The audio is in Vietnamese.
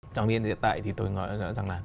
trong điện hiện tại thì tôi nói rõ ràng là